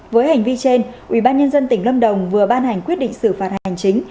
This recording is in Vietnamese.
với hành vi trên ubnd tỉnh lâm đồng vừa ban hành quyết định xử phạt hành chính